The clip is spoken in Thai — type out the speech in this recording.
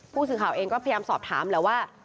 ผู้สื่อข่าวเองก็พยายามสอบถามแหละว่า